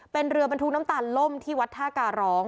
เป็นเรือบรรทุกน้ำตาลล่มที่วัดท่าการร้อง